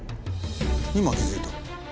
今気づいた。